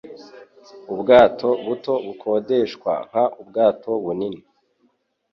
ubwato buto bukodeshwa nk ubwato bunini